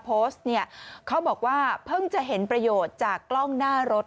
โพสต์เนี่ยเขาบอกว่าเพิ่งจะเห็นประโยชน์จากกล้องหน้ารถ